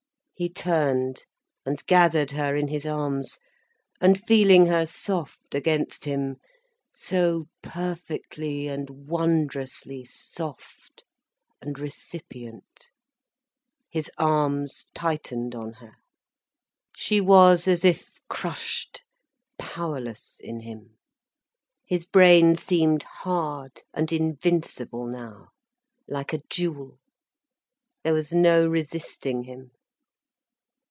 He turned and gathered her in his arms. And feeling her soft against him, so perfectly and wondrously soft and recipient, his arms tightened on her. She was as if crushed, powerless in him. His brain seemed hard and invincible now like a jewel, there was no resisting him.